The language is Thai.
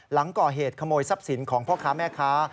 หลังก่อเหตุขโมยทรัพย์สินของพ่อค้าแม่ค้า